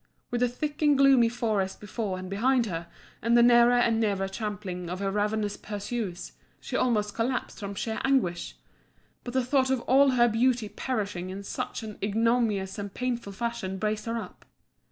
With the thick and gloomy forest before and behind her, and the nearer and nearer trampling of her ravenous pursuers, she almost collapsed from sheer anguish; but the thought of all her beauty perishing in such an ignominious and painful fashion braced her up.